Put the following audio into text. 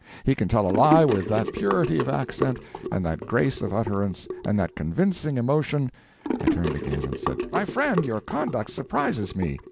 He can tell a lie with that purity of accent, and that grace of utterance, and that convincing emotion—" I turned again, and said: "My friend, your conduct surprises me.